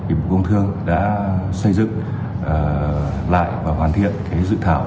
y tế bộ công thương đã xây dựng lại và hoàn thiện dự thảo